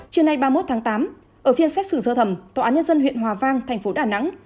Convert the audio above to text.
trưa nay ba mươi một tháng tám ở phiên xét xử sơ thẩm tòa án nhân dân huyện hòa vang thành phố đà nẵng